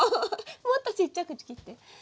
もっとちっちゃく切って。